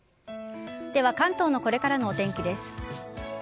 では関東のこれからのお天気です。